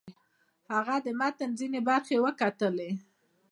هغه د متن ځینې برخې وکتلې.